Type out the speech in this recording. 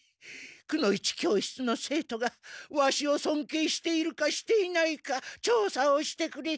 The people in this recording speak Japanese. くの一教室の生徒がワシをそんけいしているかしていないか調査をしてくれ。